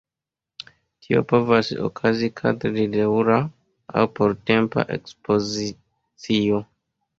Tio povas okazi kadre de daŭra aŭ portempa ekspozicio.